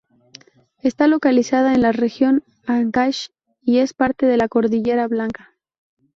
Está localizada en la región Ancash y es parte de la Cordillera Blanca.